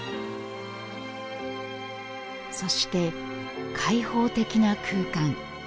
そして、開放的な空間。